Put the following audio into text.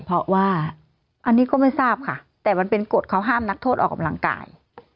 เพราะว่าอันนี้ก็ไม่ทราบค่ะแต่มันเป็นกฎเขาห้ามนักโทษออกกำลังกาย